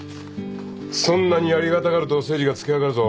そんなにありがたがると誠治がつけ上がるぞ。